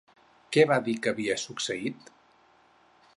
Què va dir que havia succeït?